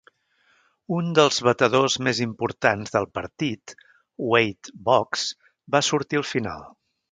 Un dels batedors més importants del partit, Wade Boggs, va sortir al final.